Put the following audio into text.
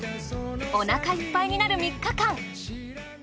お腹いっぱいになる３日間。